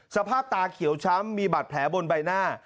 สภาพตาเขียวช้ำมีบาดแผลบนใบหน้า